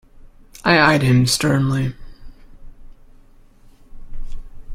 I eyed him sternly.